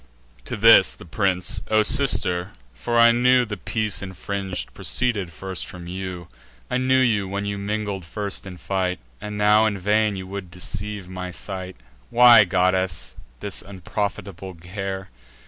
To this, the prince: "O sister—for I knew The peace infring'd proceeded first from you; I knew you, when you mingled first in fight; And now in vain you would deceive my sight— Why, goddess, this unprofitable care?